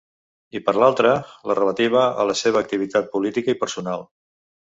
I per l'altra la relativa a la seva activitat política i personal.